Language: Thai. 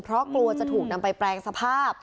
เพราะกลัวจะถูกนำไปแปลงสภาพ